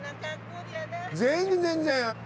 全然全然。